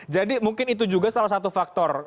jadi mungkin itu juga salah satu faktor